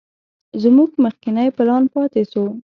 زموږ مخکينى پلان پاته سو.